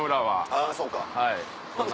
あぁそうか。